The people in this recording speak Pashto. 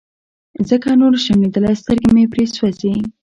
ځکه نور نشم ليدلى سترګې مې پرې سوزي.